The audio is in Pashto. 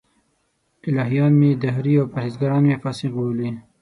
الهیان مې دهري او پرهېزګاران مې فاسق بولي.